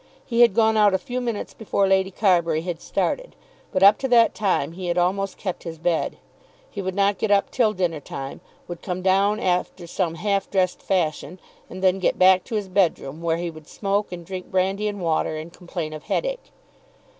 He had gone out a few minutes before Lady Carbury had started, but up to that time he had almost kept his bed. He would not get up till dinner time, would come down after some half dressed fashion, and then get back to his bedroom, where he would smoke and drink brandy and water and complain of headache.